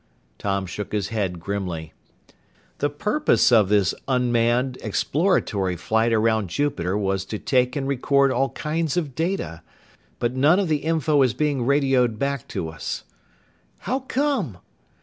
Tom shook his head grimly. "The purpose of this unmanned, exploratory flight around Jupiter was to take and record all kinds of data. But none of the info is being radioed back to us." "How come?"